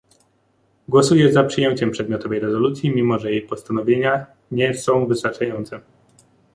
Głosuję za przyjęciem przedmiotowej rezolucji, mimo że jej postanowienia nie są wystarczające